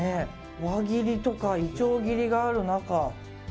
輪切りとかいちょう切りがある中。